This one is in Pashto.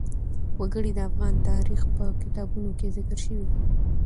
وګړي د افغان تاریخ په کتابونو کې ذکر شوی دي.